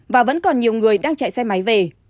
và vẫn còn nhiều người đang chạy xe máy về